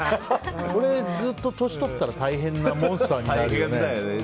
これ、ずっと年取ったら大変なモンスターになるよね。